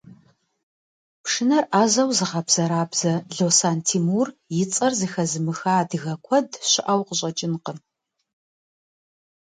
Пшынэр ӏэзэу зыгъэбзэрабзэ Лосэн Тимур и цӏэр зэхэзымыха адыгэ куэд щыӏэу къыщӏэкӏынкъым.